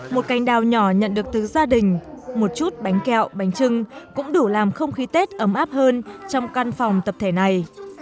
một cành đào nhỏ nhận được từ gia đình một chút bánh kẹo bánh trưng cũng đủ làm không khí tết ấm áp hơn trong căn phòng tập thể này